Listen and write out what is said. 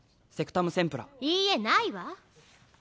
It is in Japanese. セクタムセンプラいいえないわ！